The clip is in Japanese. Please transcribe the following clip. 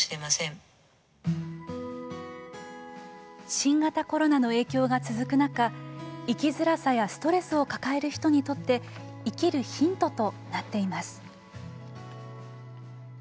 新型コロナの影響が続く中生きづらさやストレスを抱える人にとって生きるヒントとなっています。